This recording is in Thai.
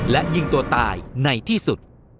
และยิงตัวตายในที่สุด